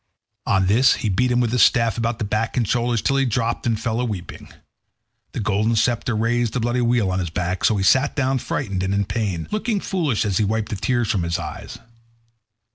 On this he beat him with his staff about the back and shoulders till he dropped and fell a weeping. The golden sceptre raised a bloody weal on his back, so he sat down frightened and in pain, looking foolish as he wiped the tears from his eyes.